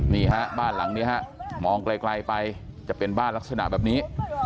นี่ฮะบ้านหลังนี้ฮะมองไกลไปจะเป็นบ้านลักษณะแบบนี้